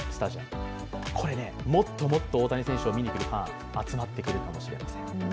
これね、もっともっと大谷選手を見にくるファン集まってくるかもしれません。